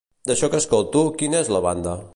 D'això que escolto, quina n'és la banda?